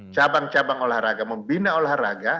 cabang cabang olahraga membina olahraga